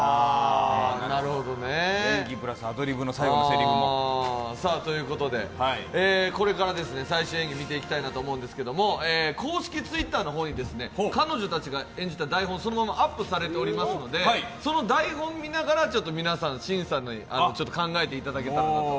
演技プラスアドリブの最後のせりふも。ということで、これから最新演技を見ていきたいと思うんですけれども、公式Ｔｗｉｔｔｅｒの方に彼女たちが演じた台本そのままアップされていますのでその台本を見ながら皆さん、審査を考えていただけたらなと。